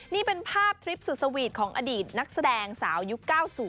นี่เป็นภาพทริปสุดสวีทของอดีตนักแสดงสาวยุค๙๐